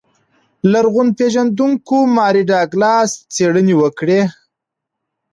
لرغون پېژندونکو ماري ډاګلاس څېړنې وکړې.